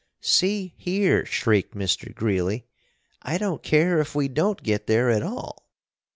"See here!" shrieked Mr. Greeley, "I don't care if we don't get there at all."